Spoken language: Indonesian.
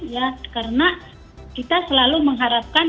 ya karena kita selalu mengharapkan